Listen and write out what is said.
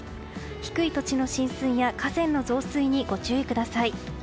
低い土地の浸水や河川の増水にご注意ください。